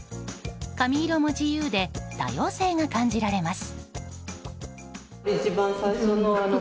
髪色も自由で多様性が感じられます。